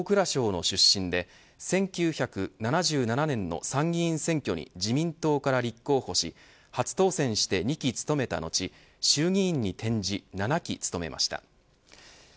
藤井氏は旧大蔵省の出身で１９７７年の参議院選挙に自民党から立候補して初当選し、２期務めた後衆議院に転じ、７期務めました。